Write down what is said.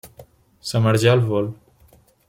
Sa Marjal Vol.